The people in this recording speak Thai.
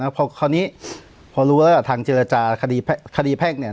เนอะเพราะคราวนี้พอรู้แล้วอะทางจิรจาคดีแพเนี้ย